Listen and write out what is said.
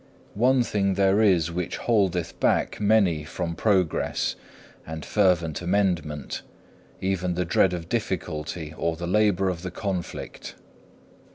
One thing there is which holdeth back many from progress and fervent amendment, even the dread of difficulty, or the labour of the conflict.